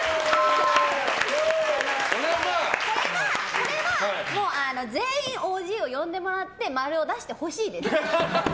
これは全員ＯＧを呼んでもらって〇を出してほしいです。